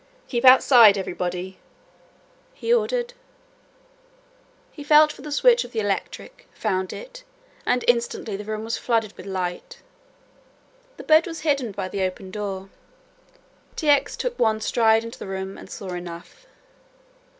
"Keep outside, everybody," he ordered. He felt for the switch of the electric, found it and instantly the room was flooded with light. The bed was hidden by the open door. T. X. took one stride into the room and saw enough.